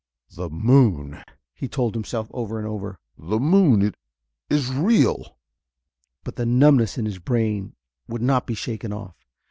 "The moon!" he told himself over and over. "The moon it is real!" But the numbness in his brain would not be shaken off.